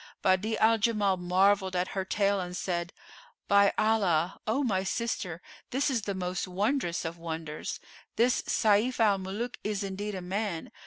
[FN#448] Badi'a al Jamal marvelled at her tale and said, "By Allah, O my sister, this is the most wondrous of wonders! This Sayf al Muluk is indeed a man!